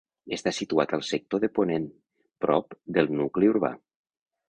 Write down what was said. Està situat al sector de ponent, prop del nucli urbà.